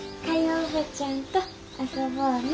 叔母ちゃんと遊ぼうね。